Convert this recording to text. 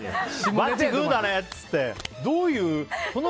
バッチグーだねって言ってどういう。